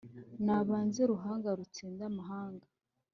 nabanze ruhanga rutsinda amahanga,